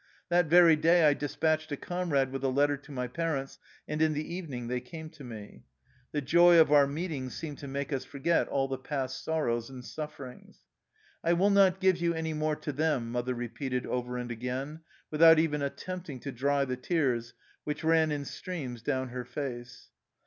That very day I despatched a comrade with a letter to my parents, and in the evening they came to me. The joy of our meeting seemed to make us forget all the past sorrows and sufferings. " I will not give you any more to them/' mother repeated over and again, without even at tempting to dry the tears which ran in streams down her face.